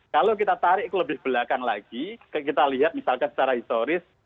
kalau kita tarik ke lebih belakang lagi kita lihat misalkan secara historis